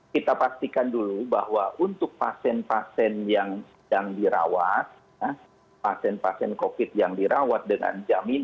kita pastikan dulu bahwa untuk pasien pasien yang sedang dirawat pasien pasien covid yang dirawat dengan jaminan